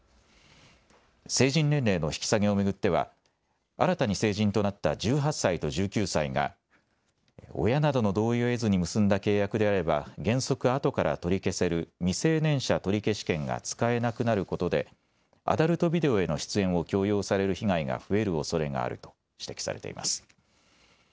成人年齢の引き下げを巡っては新たに成人となった１８歳と１９歳が親などの同意を得ずに結んだ契約であれば原則、あとから取り消せる未成年者取消権が使えなくなることでアダルトビデオへの出演を強要される被害が増えるおそれがあると指摘されています。